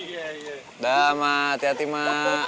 udah ma tiati ma